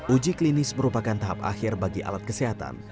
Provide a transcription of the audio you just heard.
uji klinis merupakan tahap akhir bagi alat kesehatan